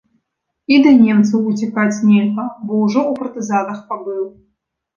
І да немцаў уцякаць нельга, бо ўжо ў партызанах пабыў.